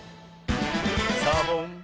サボン！